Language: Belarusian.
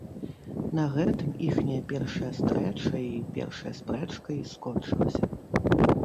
На гэтым іхняя першая стрэча й першая спрэчка й скончылася.